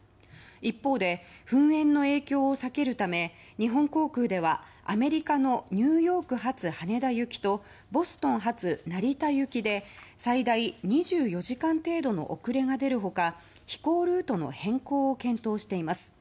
一方で、噴煙の影響を避けるため日本航空ではアメリカのニューヨーク発羽田行きとボストン発成田行きで最大２４時間程度の遅れが出る他飛行ルートの変更を検討しています。